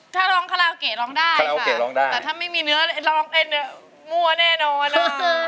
ถ้าร้องคาลาวเกะร้องได้ค่ะแต่ถ้าไม่มีเนื้อร้องเต้นมัวแน่นอนอะ